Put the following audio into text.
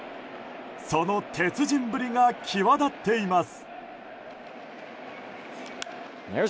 その鉄人ぶりが際立っています。